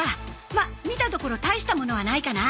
まあ見たところ大したものはないかな